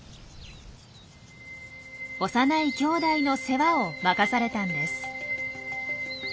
幼いきょうだいの世話を任されたんです。